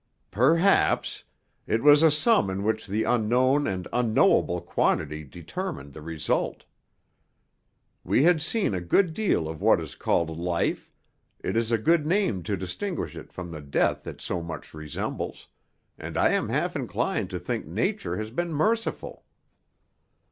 "Perhaps; it was a sum in which the unknown and unknowable quantity determined the result. We had seen a good deal of what is called life, it is a good name to distinguish it from the death it so much resembles, and I am half inclined to think Nature has been merciful."